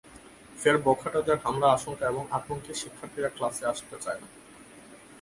ফের বখাটেদের হামলার আশঙ্কা এবং আতঙ্কে শিক্ষার্থীরা ক্লাসে আসতে চায় না।